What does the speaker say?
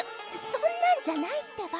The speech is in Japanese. そんなんじゃないってば。